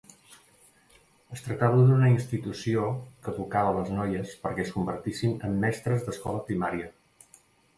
Es tractava d'una institució que educava les noies perquè es convertissin en mestres d'escola primària.